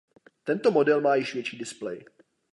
Tento model má již větší displej.